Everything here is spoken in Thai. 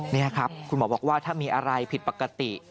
นี่ครับคุณหมอบอกว่าถ้ามีอะไรผิดปกติ